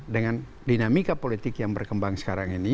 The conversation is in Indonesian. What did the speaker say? dengan dinamika politik yang berkembang sekarang ini